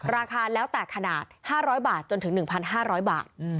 ราคาแล้วแต่ขนาด๕๐๐บาทจนถึง๑๕๐๐บาท